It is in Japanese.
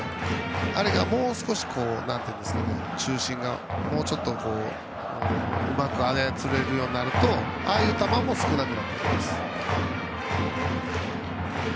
あれが、中心がもうちょっとうまく操れるようになるとああいう球も少なくなってきます。